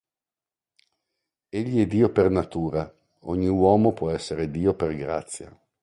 Egli è Dio per natura, ogni uomo può essere Dio per grazia.